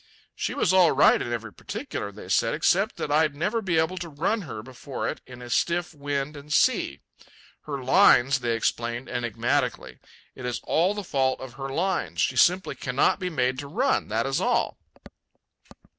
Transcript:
She was all right in every particular, they said, except that I'd never be able to run her before it in a stiff wind and sea. "Her lines," they explained enigmatically, "it is the fault of her lines. She simply cannot be made to run, that is all."